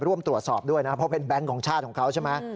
ร่วมตรวจสอบด้วยนะเพราะเป็นแบงค์ของชาติของเขาใช่ไหม